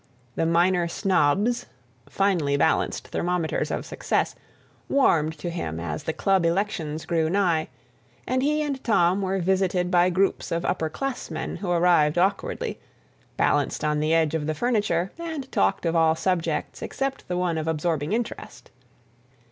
The minor snobs, finely balanced thermometers of success, warmed to him as the club elections grew nigh, and he and Tom were visited by groups of upper classmen who arrived awkwardly, balanced on the edge of the furniture and talked of all subjects except the one of absorbing interest.